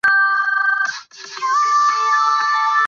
志村簇在郎兰兹纲领扮演重要地位。